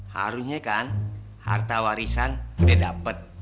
harunya kan harta warisan udah dapet